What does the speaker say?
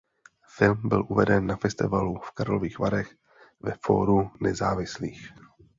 Film byl uveden na festivalu v Karlových Varech ve Fóru nezávislých.